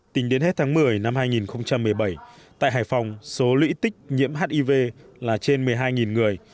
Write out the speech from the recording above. tính đến hết tháng một mươi năm hai nghìn một mươi bảy tại hải phòng số lũy tích nhiễm hiv là trên một mươi hai người